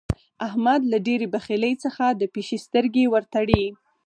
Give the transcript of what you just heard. احمد له ډېرې بخيلۍ څخه د پيشي سترګې ور تړي.